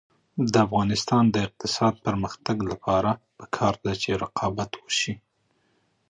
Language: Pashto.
د افغانستان د اقتصادي پرمختګ لپاره پکار ده چې رقابت وشي.